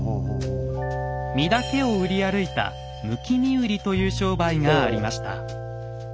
身だけを売り歩いた「むき身売り」という商売がありました。